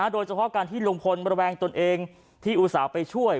โดยเฉพาะการที่ลุงพลระแวงตนเองที่อุตส่าห์ไปช่วย